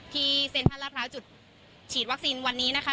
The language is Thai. ที่เซ็นทร์พระราชจุดฉีดวัคซีนวันนี้นะคะ